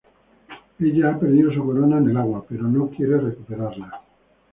Ella ha perdido su corona en el agua, pero no quiere recuperarla.